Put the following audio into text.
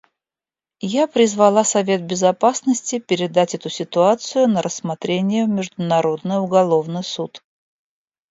Я призвала Совет Безопасности передать эту ситуацию на рассмотрение в Международный уголовный суд.